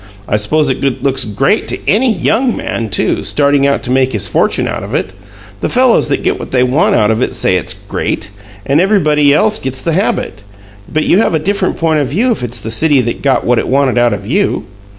I suppose it looks 'great' to any YOUNG man, too, starting out to make his fortune out of it. The fellows that get what they want out of it say it's 'great,' and everybody else gets the habit. But you have a different point of view if it's the city that got what it wanted out of you!